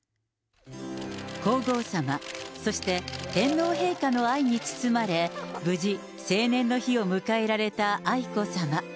皇后さま、そして天皇陛下の愛に包まれ、無事、成年の日を迎えられた愛子さま。